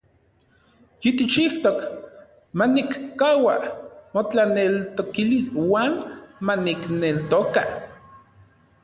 Yitikchijtok manikkaua notlaneltokilis uan manikneltoka.